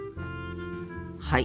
はい。